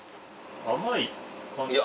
甘い感じ？